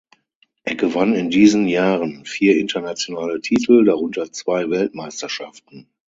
Er gewann in diesen Jahren vier internationale Titel, darunter zwei Weltmeisterschaften.